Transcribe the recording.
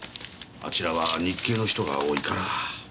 あちらは日系の人が多いから。